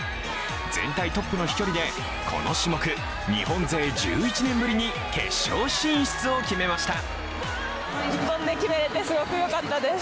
全体トップの飛距離でこの種目、日本勢１１年ぶりに決勝進出を決めました。